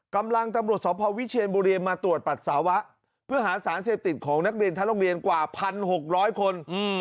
ตำรวจสพวิเชียนบุรีมาตรวจปัสสาวะเพื่อหาสารเสพติดของนักเรียนทั้งโรงเรียนกว่า๑๖๐๐คน